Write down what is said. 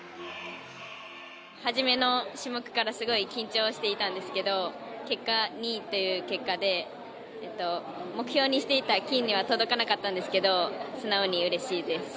はじめの種目からすごく緊張していたんですけど結果２位という結果で目標にしていた金には届かなかったんですけど素直にうれしいです。